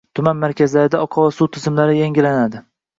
tuman markazlarida oqova suv tizimlari yangilanadi.